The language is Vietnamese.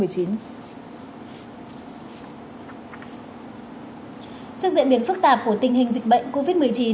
trước diễn biến phức tạp của tình hình dịch bệnh covid một mươi chín